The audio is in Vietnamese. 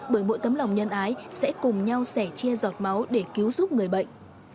bởi mỗi tấm lòng nhân ái sẽ cùng nhau sẻ chia giọt máu để cứu giúp người bệnh